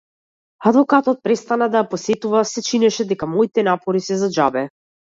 Адвокатот престана да ја посетува се чинеше дека моите напори се за џабе.